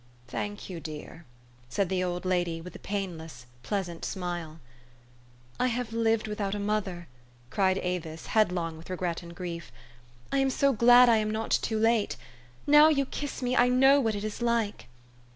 " Thank you, dear," said the old lady with a painless, pleasant smile. " I have lived without a mother," cried Avis, headlong with regret and grief. "I am so glad I am not too late ! Now you kiss me, I know what it is like."